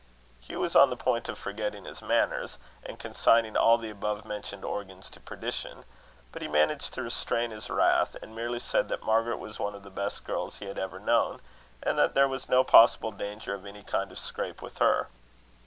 Hugh was on the point of forgetting his manners, and consigning all the above mentioned organs to perdition; but he managed to restrain his wrath, and merely said that Margaret was one of the best girls he had ever known, and that there was no possible danger of any kind of scrape with her.